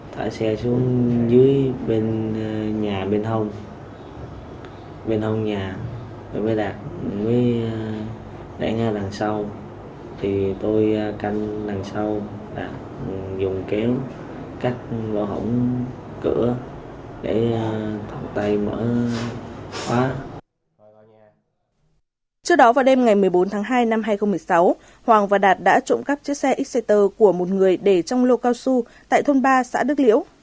trước đó vào đêm ngày một mươi bốn tháng hai năm hai nghìn một mươi sáu hoàng và đạt đã trộm cắt chiếc xe xe tờ của một người để trong lô cao su tại thôn ba xã đức liễu